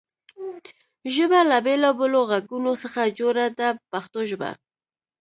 ژبه له بېلابېلو غږونو څخه جوړه ده په پښتو ژبه.